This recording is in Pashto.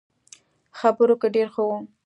خبرو کې ډېر ښه وو.